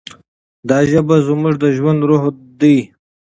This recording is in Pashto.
دا ژبه زموږ د ژوند روح دی.